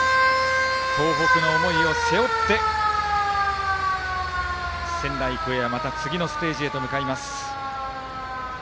東北の思いを背負って仙台育英はまた次のステージへと向かいます。